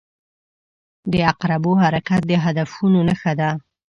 • د عقربو حرکت د هدفونو نښه ده.